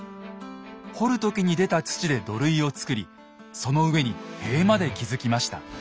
掘る時に出た土で土塁を造りその上に塀まで築きました。